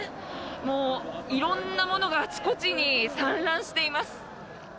もう色んなものがあちこちに散乱しています。